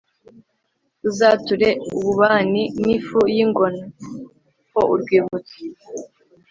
uzature ububani, n'ifu y'ingano ho urwibutso